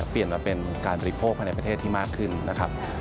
เปลี่ยนมาเป็นการบริโภคภายในประเทศที่มากขึ้นนะครับ